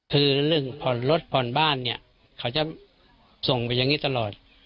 คือพอรถพอนบ้านเขาจะส่งไปอย่างนี้ตลอด